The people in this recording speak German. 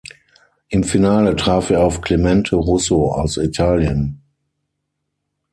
Im Finale traf er auf Clemente Russo aus Italien.